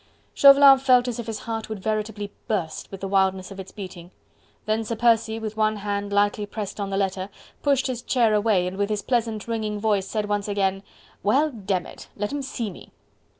Chauvelin felt as if his heart would veritably burst with the wildness of its beating. Then Sir Percy, with one hand lightly pressed on the letter, pushed his chair away and with his pleasant ringing voice, said once again: "Well! demn it... let 'em see me!..."